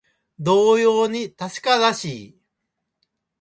同様に確からしい